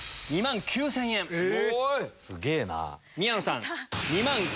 すげぇな。